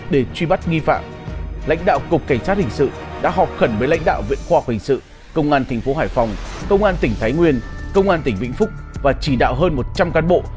để truy bắt nghi phạm lãnh đạo cục cảnh sát hình sự đã họp khẩn với lãnh đạo viện khoa học hình sự công an tp hải phòng công an tỉnh thái nguyên công an tỉnh vĩnh phúc và chỉ đạo hơn một trăm linh cán bộ